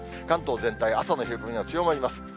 関東全体、朝の冷え込みが強まります。